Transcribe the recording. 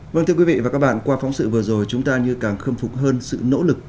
vâng thưa quý vị và các bạn qua phóng sự vừa rồi chúng ta như càng khâm phục hơn sự nỗ lực